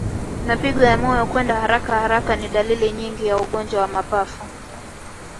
Mapigo ya moyo kwenda harakaharaka ni dalili nyingine ya ugonjwa wa mapafu